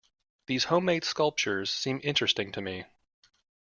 These home-made sculptures seem interesting to me.